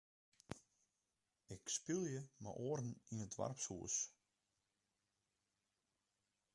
Ik spylje mei oaren yn it doarpshûs.